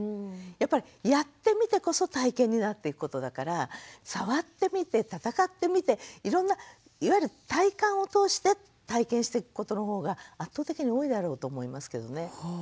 やっぱりやってみてこそ体験になっていくことだから触ってみて戦ってみていろんないわゆる体感を通して体験していくことの方が圧倒的に多いだろうと思いますけどね。